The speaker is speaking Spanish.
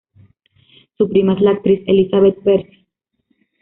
Su prima es la actriz Elizabeth Percy.